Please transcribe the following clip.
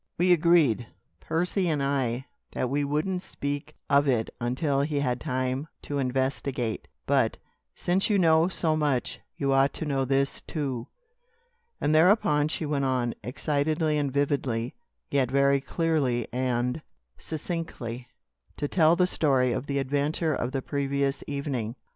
We agreed Percy and I that we wouldn't speak of it until he had time to investigate; but, since you know so much, you ought to know this, too." And thereupon she went on, excitedly and vividly, yet very clearly and succinctly, to tell the story of the adventure of the previous evening.